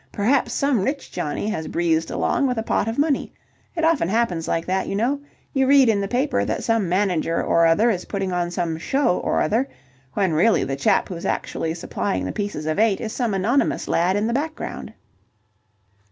Perhaps some rich Johnnie has breezed along with a pot of money. It often happens like that, you know. You read in the paper that some manager or other is putting on some show or other, when really the chap who's actually supplying the pieces of eight is some anonymous lad in the background."